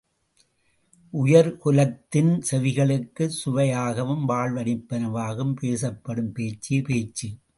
உயிர் குலத்தின் செவிகளுக்குச் சுவையாகவும் வாழ்வளிப்பனவாகவும் பேசப் படும் பேச்சே, பேச்சு!